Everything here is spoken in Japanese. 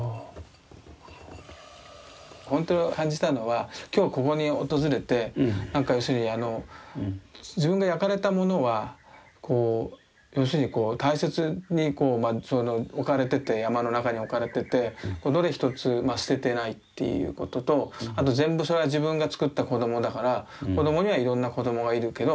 本当感じたのは今日ここに訪れて要するに自分が焼かれたものは要するにこう大切に置かれてて山の中に置かれててどれ一つ捨ててないっていうこととあと全部それは自分が作った子供だから子供にはいろんな子供がいるけどまあ